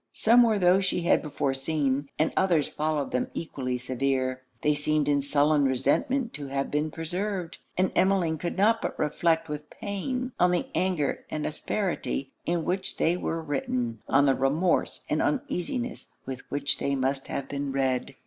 Some were those she had before seen, and others followed them equally severe. They seemed in sullen resentment to have been preserved; and Emmeline could not but reflect with pain on the anger and asperity in which they were written; on the remorse and uneasiness with which they must have been read.